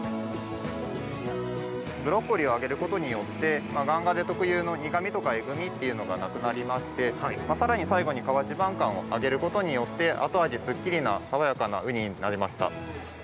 ブロッコリーをあげることによってガンガゼ特有の苦みとか、えぐみっていうのがなくなりまして、さらに最後に河内晩柑をあげることによって後味すっきりな爽やかなウニになりました。